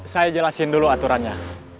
saya jelasin dulu aturannya